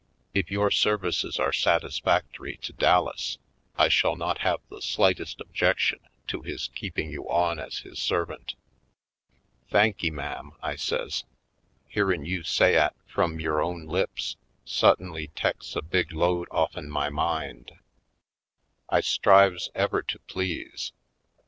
If your services are satisfactory to Dallas I shall have not the slightest objection to his keep ing you on as his servant." "Thanky, ma'am," I says, "hearin' you say 'at frum yore own lips su'ttinly teks a big load ofifen my mind. I strives ever to please.